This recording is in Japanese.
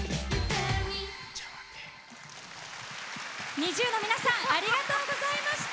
ＮｉｚｉＵの皆さんありがとうございました。